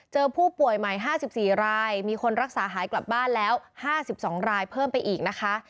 เจอผู้ป่วยใหม่ห้าสิบสี่รายมีคนรักษาหายกลับบ้านแล้วห้าสิบสองรายเพิ่มไปอีกนะคะ